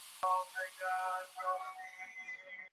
پیام برانه